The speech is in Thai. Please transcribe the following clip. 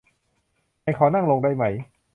ฉันขอนั่งลงได้ไหม